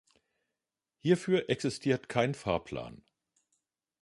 Hierfür existiert kein Fahrplan.